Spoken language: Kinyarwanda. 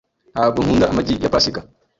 Ntabwo nkunda amagi ya pasika .